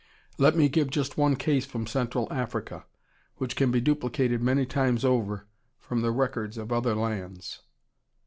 Let me give just one case from Central Africa which can be duplicated many times over from the records of other lands.